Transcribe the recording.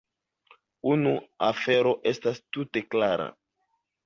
Unu afero estas tute klara.